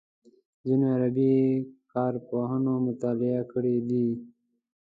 ځینو غربي کارپوهانو مطالعې کړې دي.